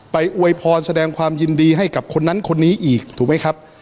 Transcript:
อวยพรแสดงความยินดีให้กับคนนั้นคนนี้อีกถูกไหมครับ